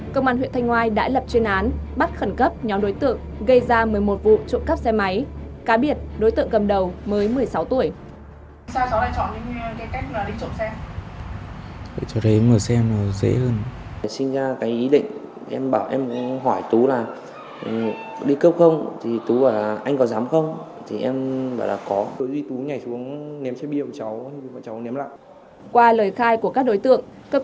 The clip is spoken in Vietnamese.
công an huyện thanh ngoai đã lập chuyên án bắt khẩn cấp nhóm đối tượng gây ra một mươi một vụ trộm cắp xe máy cá biệt đối tượng cầm đầu mới một mươi sáu tuổi